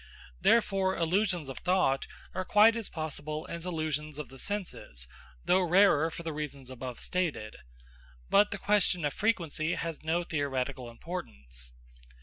Therefore illusions of thought are quite as possible as illusions of the senses, though rarer for the reasons above stated. But the question of frequency has no theoretical importance.